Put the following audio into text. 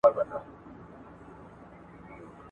هغې ته د بدو کړنو په وړاندي د صبر توصيه مه کوئ.